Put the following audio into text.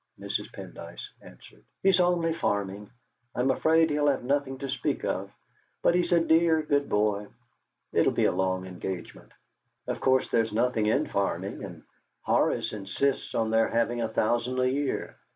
Mrs. Pendyce answered: "He's only farming. I'm afraid he'll have nothing to speak of, but he's a dear good boy. It'll be a long engagement. Of course, there's nothing in farming, and Horace insists on their having a thousand a year.